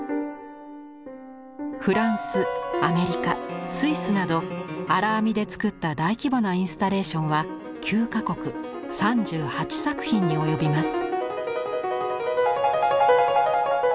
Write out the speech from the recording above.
フランスアメリカスイスなど荒編みで作った大規模なインスタレーションは９か国３８作品に及びます。